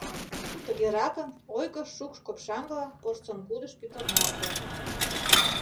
Тыгеракын ойго шукш-копшаҥгыла порсынгудыш пӱтырналте.